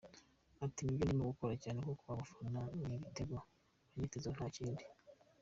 Ati “Nibyo ndimo gukora cyane kuko abafana ni ibitego banyitezeho nta kindi.